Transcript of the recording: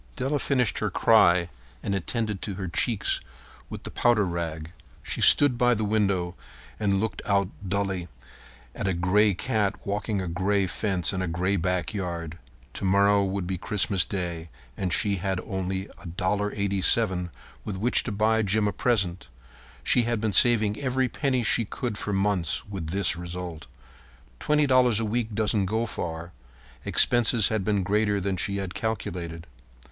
Della finished her cry and attended to her cheeks with the powder rag. She stood by the window and looked out dully at a gray cat walking a gray fence in a gray backyard. Tomorrow would be Christmas Day, and she had only $1.87 with which to buy Jim a present. She had been saving every penny she could for months, with this result. Twenty dollars a week doesn't go far. Expenses had been greater than she had calculated.